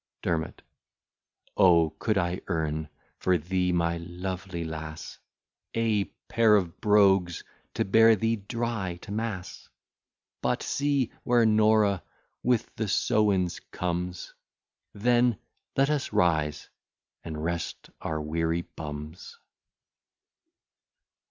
DERMOT O, could I earn for thee, my lovely lass, A pair of brogues to bear thee dry to mass! But see, where Norah with the sowins comes Then let us rise, and rest our weary bums.